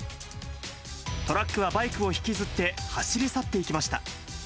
トラックはバイクを引きずって走り去っていきました。